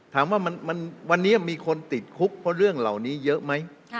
ถามว่าวันนี้มีคนติดคุกเพราะเรื่องเหล่านี้เยอะไหม